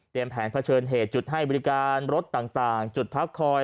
แผนเผชิญเหตุจุดให้บริการรถต่างจุดพักคอย